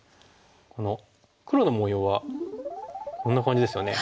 この黒の模様はこんな感じですよね。